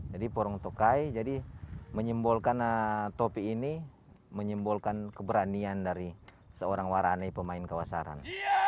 jadi porong tokai jadi menyimbolkan topi ini menyimbolkan keberanian dari seorang warane pemain kawasaran